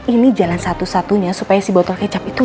ini jalan satu satunya supaya si botol kecap itu